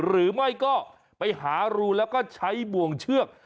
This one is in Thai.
หรือไม่ก็ไปหารูแล้วก็ใช้บ่วงเชือก